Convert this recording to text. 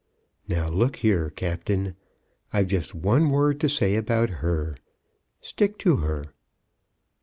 "Now look here, Captain. I've just one word to say about her. Stick to her."